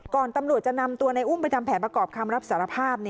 ตำรวจจะนำตัวในอุ้มไปทำแผนประกอบคำรับสารภาพ